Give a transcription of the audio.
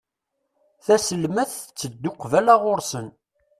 Taselmadt tetteddu qbala ɣur-sen.